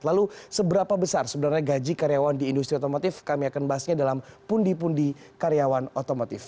lalu seberapa besar sebenarnya gaji karyawan di industri otomotif kami akan bahasnya dalam pundi pundi karyawan otomotif